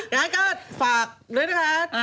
งั้นก็ฝากด้วยนะคะ